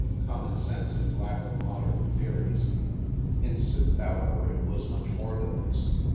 " Common sense and lack of modern theories." In sooth, however, it was much more than this.